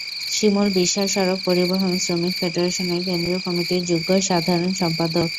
শিমুল বিশ্বাস সড়ক পরিবহন শ্রমিক ফেডারেশনের কেন্দ্রীয় কমিটির যুগ্ম সাধারণ সম্পাদক।